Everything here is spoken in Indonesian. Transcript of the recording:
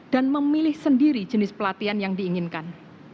dan memilih sendiri jenis pelatihan yang diinginkan